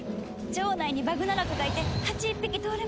城内にバグナラクがいてハチ１匹通れません。